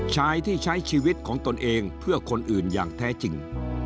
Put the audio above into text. ชายที่ใช้ชีวิตของตนเองเพื่อคนอื่นอย่างแท้จริง